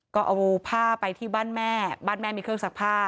ก็เอาผ้าไปที่บ้านแม่บ้านแม่มีเครื่องซักผ้า